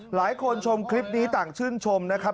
หลายคนชมคลิปนี้ต่างชื่นชมนะครับ